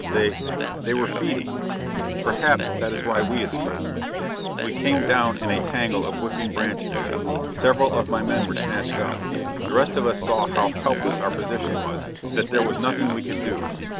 They ... they were feeding.... "Perhaps that is why we escaped. We came down in a tangle of whipping branches. Several of my men were snatched up. The rest of us saw how helpless our position was ... that there was nothing we could do.